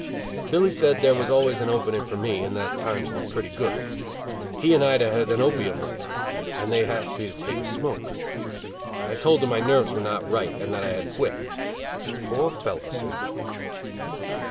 Billy said there was always an opening for me, that times were pretty good. He and Ida had an opium layout, and they asked me to take a smoke. I told them my nerves were not right, and that I had quit. "Poor fellow," said Billy.